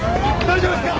大丈夫ですか！？